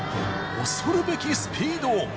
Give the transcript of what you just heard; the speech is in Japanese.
恐るべきスピード。